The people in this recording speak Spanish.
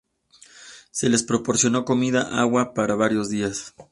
Se les proporcionó comida y agua para varios días.